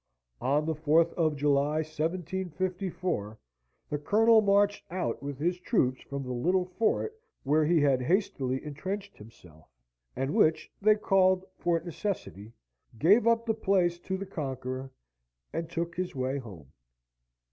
On the 4th of July, 1754, the Colonel marched out with his troops from the little fort where he had hastily entrenched himself (and which they called Fort Necessity), gave up the place to the conqueror, and took his way home.